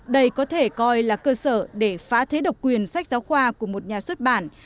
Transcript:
đây có thể coi là cơ sở để phá thế độc quyền sách giáo khoa của một nhà xuất bản